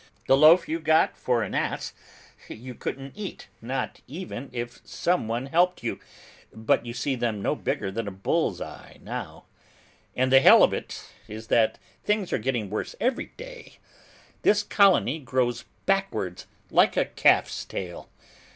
The loaf you got for an as, you couldn't eat, not even if someone helped you, but you see them no bigger than a bull's eye now, and the hell of it is that things are getting worse every day; this colony grows backwards like a calf's tall!